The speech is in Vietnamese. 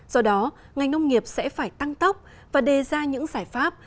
do đó ngành nông nghiệp sẽ phải tăng tốc và đề ra những giải pháp